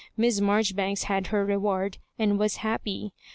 Miss Marjoribanks had her reward, and was happy.